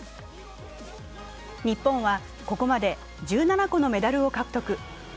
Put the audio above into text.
日本はここまで１７個のメダルを獲得。